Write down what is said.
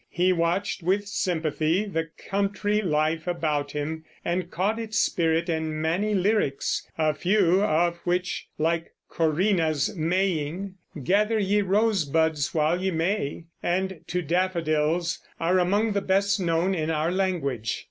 He watched with sympathy the country life about him and caught its spirit in many lyrics, a few of which, like "Corinna's Maying," "Gather ye rosebuds while ye may," and "To Daffodils," are among the best known in our language.